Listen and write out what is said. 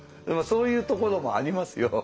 そういうところもありますよ。